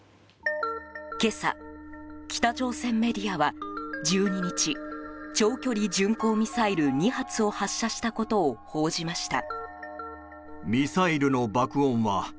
今朝、北朝鮮メディアは１２日長距離巡航ミサイル２発を発射したことを報じました。